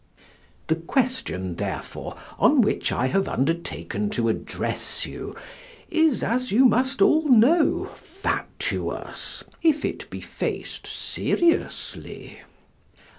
The question, therefore, on which I have undertaken to address you is, as you must all know, fatuous, if it be faced seriously.